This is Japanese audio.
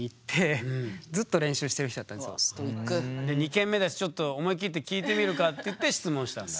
２軒目だしちょっと思い切って聞いてみるかっていって質問したんだ？